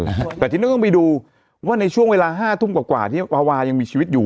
แต่ทีนี้ต้องไปดูว่าในช่วงเวลาห้าทุ่มกว่ากว่าที่วาวายังมีชีวิตอยู่